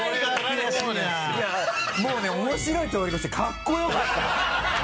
もうね面白い通り越してかっこよかった。